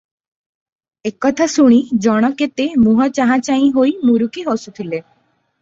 ଏକଥା ଶୁଣି ଜଣ କେତେ ମୁହଁ ଚାହାଁ ଚାହିଁ ହୋଇ ମୁରୁକି ହସୁଥିଲେ ।